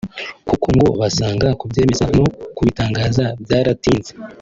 kuko ngo basanga kubyemeza no kubitangaza byaratinze